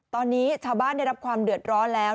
ตอนนี้ชาวบ้านได้รับความเดือดร้อนแล้ว